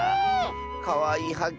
かわいいはっ